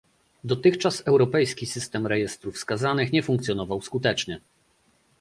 Dotychczas europejski system rejestrów skazanych nie funkcjonował skutecznie